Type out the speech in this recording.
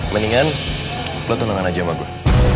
mendingan lo tenangin aja sama gue